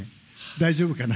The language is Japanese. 大丈夫かな？